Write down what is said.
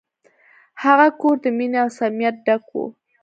هغه کور د مینې او صمیمیت ډک و.